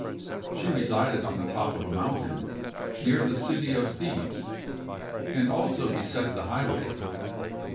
She resided on the top of a mountain, near the city Thebes, and also beset the highways.